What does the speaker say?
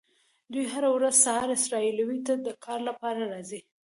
دوی هره ورځ سهار اسرائیلو ته د کار لپاره راځي.